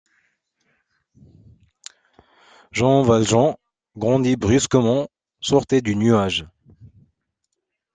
Jean Valjean, grandi brusquement, sortait du nuage.